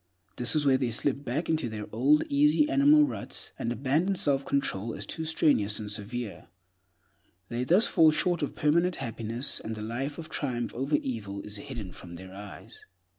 This is where they slip back into their old, easy, animal ruts, and abandon self control as too strenuous and severe. Thus they fall short of permanent happiness, and the life of triumph over evil is hidden from their eyes.